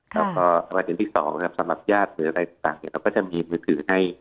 แล้วก็ประเทศที่๒ครับสำหรับญาติหรืออะไรต่างเราก็จะมีมือถือให้